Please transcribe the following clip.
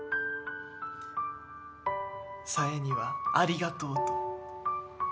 紗江にはありがとうと。